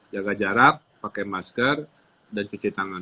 jaga jarak pakai masker dan cuci tangan